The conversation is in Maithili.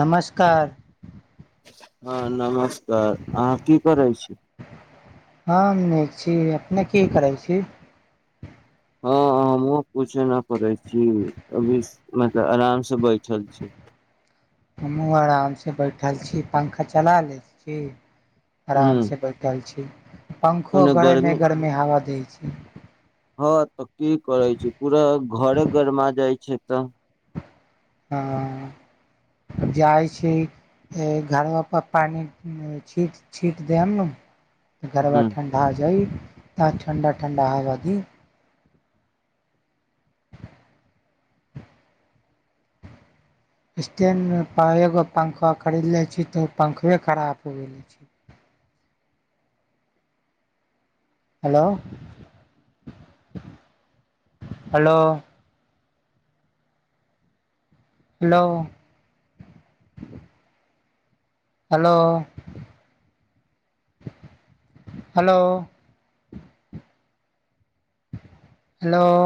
नमस्कार हँ नमस्कार अहाँ की करै छी हम नहि छी अपने की करै छी हँ हमहुँ कुछो नहि करै छी अभी मतलब आराम से बैठल छी हमहुँ आरामसँ बैठल छी पंखा चला लेलै छी ह आरामसँ बैठल छी पंखो ओने गरमे गर्मी गरमे हवा दै छै हँ तऽ की करै छै पूरा घरे घरमा जाइ छै तऽ हँ जाइ छी घरापर पानि छीट छीट देब ने गड़बड़ ह ठण्डा जाइ तऽ ठण्डा ठण्डा हवा दी स्टैणडमे एगो पंखा खरीद लै छी तऽ ओ पंखे खराब हो गेल छै hello hello hello hello hello hello